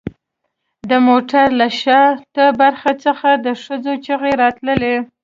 د موټر له شاته برخې څخه د ښځو چیغې راتلې